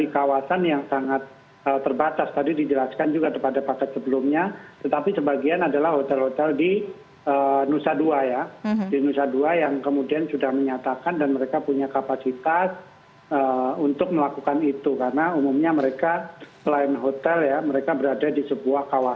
kalau ada perbedaan tingkat risiko